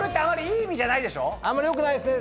あまり良くないですね。